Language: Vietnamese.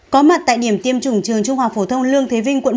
có mặt tại điểm tiêm chủng trường trung học phổ thông lương thế vinh quận một